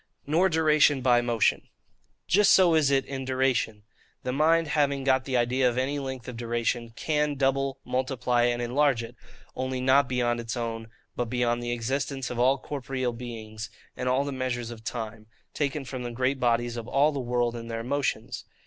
Nor Duration by Motion. Just so is it in duration. The mind having got the idea of any length of duration, can double, multiply, and enlarge it, not only beyond its own, but beyond the existence of all corporeal beings, and all the measures of time, taken from the great bodies of all the world and their motions.